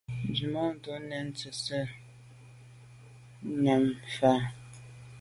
Nzwimàntô nèn ntse’te nyàm fa.